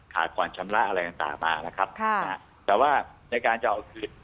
ขาดความชำระอะไรต่างมาแล้วครับแต่ว่าในการจะเอาคืน